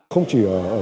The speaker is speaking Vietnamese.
không chỉ ở khu